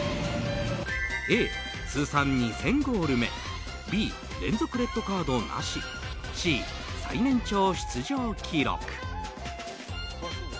Ａ、通算２０００ゴール目Ｂ、連続レッドカードなしＣ、最年長出場記録。